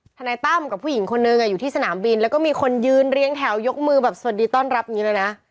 นายตั้มกับผู้หญิงคนนึงอยู่ที่สนามบินแล้วก็มีคนยืนเรียงแถวยกมือแบบสวัสดีต้อนรับอย่างนี้เลยนะ